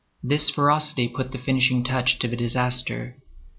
This ferocity put the finishing touch to the disaster.